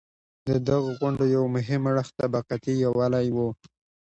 د دغو غونډو یو مهم اړخ طبقاتي یووالی و.